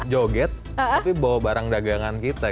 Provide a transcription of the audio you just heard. joget tapi bawa barang dagangan kita